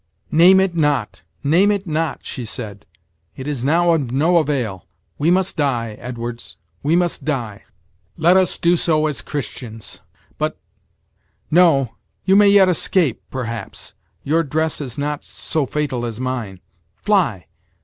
"Name it not name it not," she said. "It is now of no avail. We must die, Edwards, we must die let us do so as Christians. But no you may yet escape, perhaps. Your dress is not so fatal as mine. Fly!